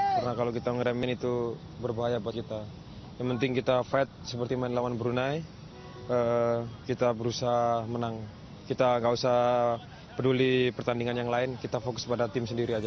karena kalau kita ngeremen itu berbahaya buat kita yang penting kita fight seperti main lawan brunei kita berusaha menang kita gak usah peduli pertandingan yang lain kita fokus pada tim sendiri aja